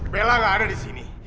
bella gak ada disini